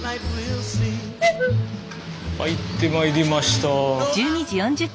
帰ってまいりました。